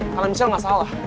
karena michelle gak salah